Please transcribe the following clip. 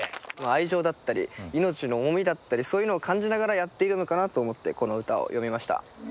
愛情だったり命の重みだったりそういうのを感じながらやっているのかなと思ってこの歌を詠みました。